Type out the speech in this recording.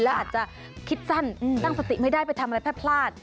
แล้วอาจจะคิดสั้นตั้งสติไม่ได้ไปทำอะไรพลาด